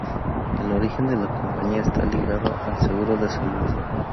El origen de la compañía está ligado al seguro de salud.